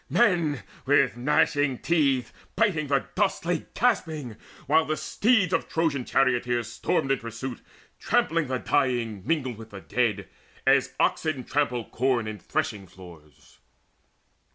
Men, with gnashing teeth Biting the dust, lay gasping, while the steeds Of Trojan charioteers stormed in pursuit, Trampling the dying mingled with the dead As oxen trample corn in threshing floors.